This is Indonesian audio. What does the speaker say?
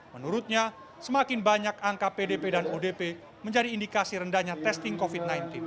menurutnya semakin banyak angka pdp dan odp menjadi indikasi rendahnya testing covid sembilan belas